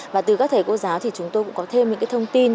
và từ các thầy cô giáo thì chúng tôi cũng có thêm những cái thông tin